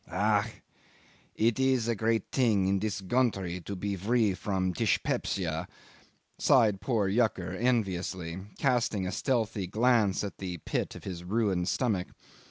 "Ach! It's a great ting in dis goundry to be vree vrom tispep shia," sighed poor Yucker enviously, casting a stealthy glance at the pit of his ruined stomach.